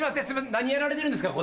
何やられてるんですか？